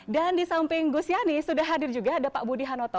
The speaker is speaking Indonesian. dan di samping gus yanni sudah hadir juga ada pak budi hanoto